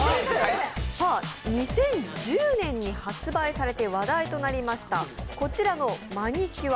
２０１０年に発売されて話題となりました、こちらのマニキュア。